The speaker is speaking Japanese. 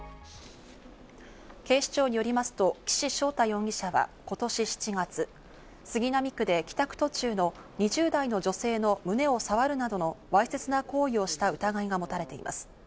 警視庁によりますと岸正太容疑者は今年７月、杉並区で帰宅途中の２０代の女性の胸をさわるなどのわいせつな行為をした疑いが持たれています。